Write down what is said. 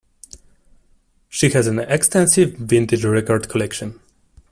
She has an extensive vintage record collection.